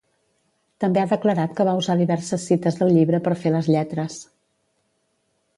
També ha declarat que va usar diverses cites del llibre per fer les lletres.